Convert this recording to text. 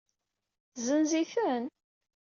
Tezenz-iten?